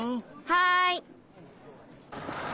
はい。